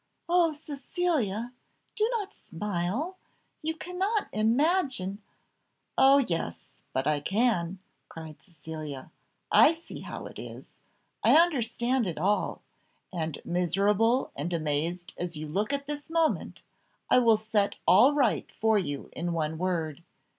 "Oh, Cecilia! do not smile; you cannot imagine " "Oh, yes! but I can," cried Cecilia. "I see how it is; I understand it all; and miserable and amazed as you look at this moment, I will set all right for you in one word.